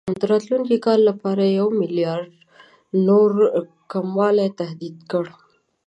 د راتلونکي کال لپاره یې یو میلیارډ نور کموالي تهدید کړ.